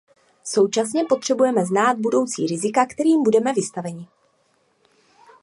Současně potřebujeme znát budoucí rizika, kterým budeme vystaveni.